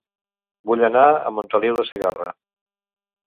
Vull anar a Montoliu de Segarra